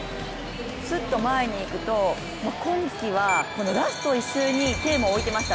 スッと前に行くと今季はラスト１周にテーマをおいていました。